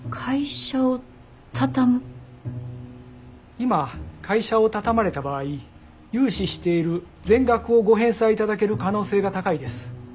今会社を畳まれた場合融資している全額をご返済いただける可能性が高いです。